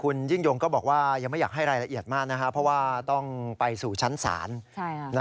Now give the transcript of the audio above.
คุณยิ่งยงก็บอกว่ายังไม่อยากให้รายละเอียดมากนะครับเพราะว่าต้องไปสู่ชั้นศาล